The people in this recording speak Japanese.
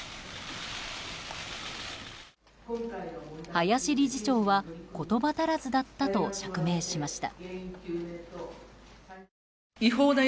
林理事長は言葉足らずだったと釈明しました。